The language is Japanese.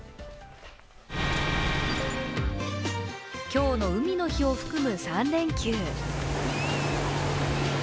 今日の海の日を含む３連休。